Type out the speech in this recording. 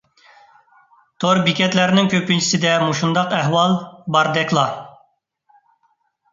تور بېكەتلەرنىڭ كۆپىنچىسىدە مۇشۇنداق ئەھۋال باردەكلا.